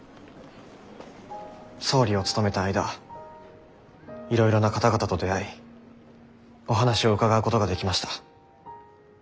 総理を務めた間いろいろな方々と出会いお話を伺うことができました。